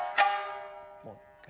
もう一回。